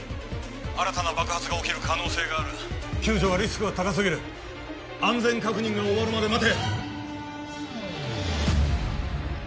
新たな爆発が起きる可能性がある救助はリスクが高すぎる安全確認が終わるまで待て！